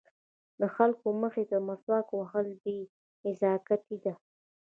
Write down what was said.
د خلکو مخې ته مسواک وهل بې نزاکتي ده.